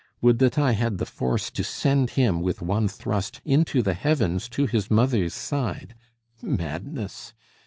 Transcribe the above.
Would that I had the force to send him with one thrust into the heavens to his mother's side! Madness!